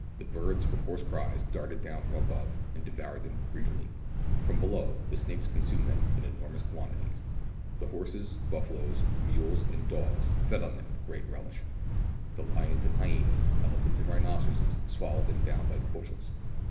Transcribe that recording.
The birds, with hoarse cries, darted down from above, and devoured them greedily ; from below, the snakes consumed them in enormous quantities ; the horses, bufialoes, mules, and dogs fed on them with great relish ; and lions and hyenas, elephants and rhinoceroses, swallowed them down by bushels.